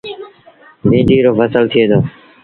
بيٚنڊيٚ رو ڦسل ٿئي دو۔